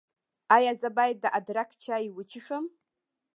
ایا زه باید د ادرک چای وڅښم؟